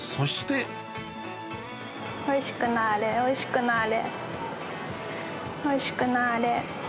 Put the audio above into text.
おいしくなぁれ、おいしくなぁれ、おいしくなぁれ。